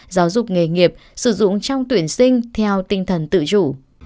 giáo dục nghề nghiệp sử dụng trong tuyển sinh theo tinh thần tự chủ